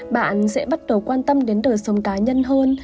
bạn sẽ bắt đầu quan tâm đến đời sống cá nhân hơn